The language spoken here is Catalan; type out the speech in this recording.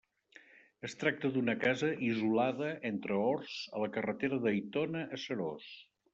Es tracta d'una casa isolada entre horts, a la carretera d'Aitona a Serós.